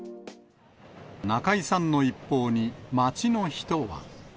中居さんの一報に、街の人は。